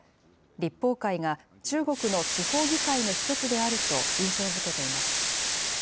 立法会が中国の地方議会の１つであると印象づけています。